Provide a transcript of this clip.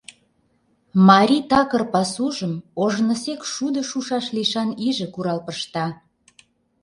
Марий такыр пасужым ожнысек шудо шушаш лишан иже курал пышта.